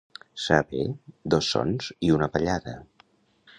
Saber dos sons i una ballada.